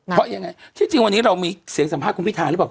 เพราะยังไงที่จริงวันนี้เรามีเสียงสัมภาษณ์คุณพิทาหรือเปล่า